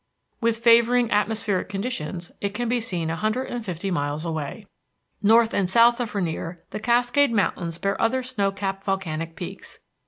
With favoring atmospheric conditions it can be seen a hundred and fifty miles away. North and south of Rainier, the Cascade Mountains bear other snow capped volcanic peaks.